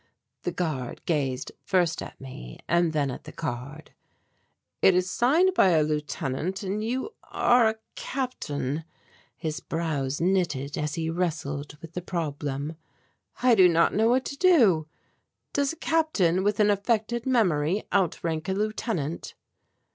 The guard gazed first at me and then at the card. "It is signed by a Lieutenant and you are a Captain " his brows knitted as he wrestled with the problem "I do not know what to do. Does a Captain with an affected memory outrank a Lieutenant?"